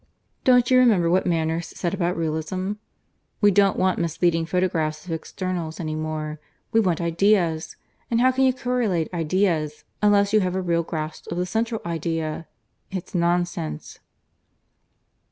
Don't you remember what Manners said about Realism? We don't want misleading photographs of externals any more. We want Ideas. And how can you correlate Ideas, unless you have a real grasp of the Central Idea? It's nonsense."